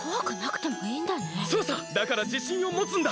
だからじしんをもつんだ！